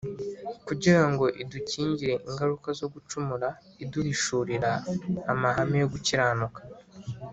kugira ngo idukingire ingaruka zo gucumura, iduhishurira amahame yo gukiranuka